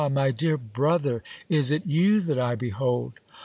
my dear brother, is it you that I behold